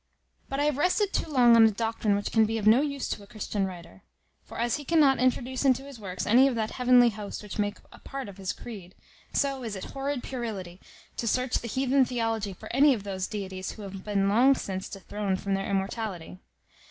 But I have rested too long on a doctrine which can be of no use to a Christian writer; for as he cannot introduce into his works any of that heavenly host which make a part of his creed, so it is horrid puerility to search the heathen theology for any of those deities who have been long since dethroned from their immortality.